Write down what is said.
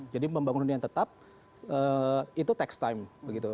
jadi pembangun hunian tetap itu takes time